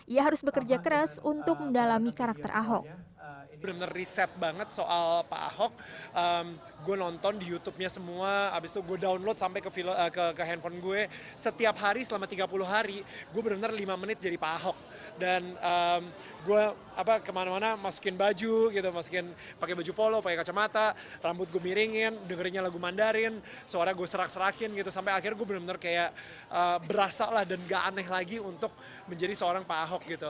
ia harus bekerja keras untuk mendalami karakter ahok